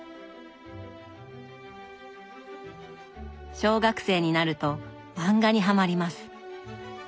小学生になると漫画にはまります。